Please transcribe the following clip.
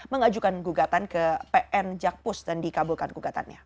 mengajukan gugatan ke pn jakpus dan dikabulkan gugatannya